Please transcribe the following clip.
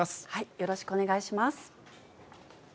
よろしくお願いします。